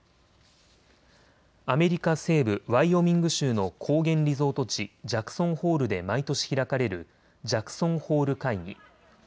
アメリカ西部ワイオミング州の高原リゾート地、ジャクソンホールで毎年、開かれるジャクソンホール会議。